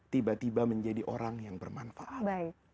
tiba tiba menjadi orang yang bermanfaat